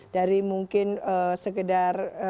dari mungkin segedar